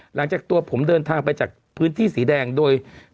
หลังจากตัวผมเดินทางไปจากพื้นที่สีแดงโดย